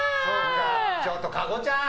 ちょっと加護ちゃん！